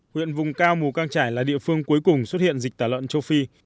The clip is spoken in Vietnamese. huyện vùng cao mù căng trải là địa phương cuối cùng xuất hiện dịch tả lợn châu phi